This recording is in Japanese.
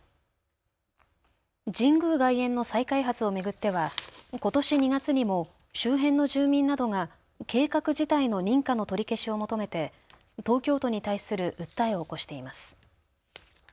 神宮外苑の再開発を巡ってはことし２月にも周辺の住民などが計画自体の認可の取り消しを求めて東京都に対する訴えを起こしています。